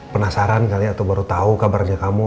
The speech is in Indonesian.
penasaran kali ya atau baru tau kabarnya kamu